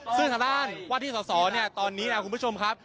ซึ่งทางด้านว่าที่สอสอตอนนี้คุณผู้ชมครับ